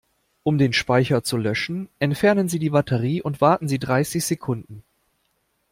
Um den Speicher zu löschen, entfernen Sie die Batterie und warten Sie dreißig Sekunden.